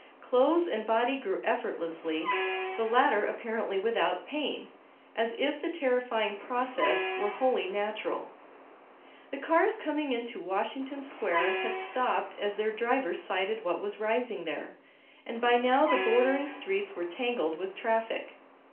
Clothes and body grew effortlessly, the latter apparently without pain, as if the terrifying process were wholly natural. The cars coming into Washington Square had stopped as their drivers sighted what was rising there, and by now the bordering streets were tangled with traffic.